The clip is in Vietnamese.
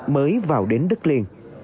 mới vào đến đất liền